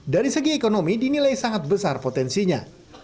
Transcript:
dari segi ekonomi dinilai sangat besar potensinya